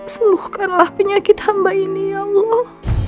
sembuhkanlah penyakit hamba ini ya allah